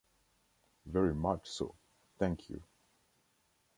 Very much so, thank you.